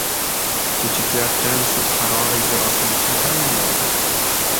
Kechikayotgan sud qarori ijrosini kim ta`minlaydi?